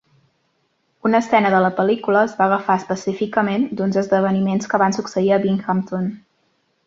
Una escena de la pel·lícula es va agafar específicament d'uns esdeveniments que van succeir a Binghamton.